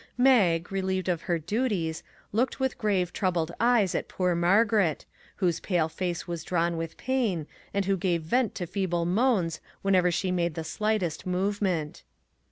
Mag, relieved of her duties, looked with grave, troubled eyes at poor Margaret, whose pale face was drawn with pain, and who gave vent to feeble moans whenever she made the slightest movement.